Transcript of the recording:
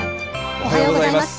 おはようございます。